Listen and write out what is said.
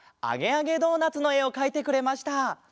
「あげあげドーナツ」のえをかいてくれました。